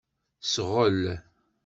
Sɣel.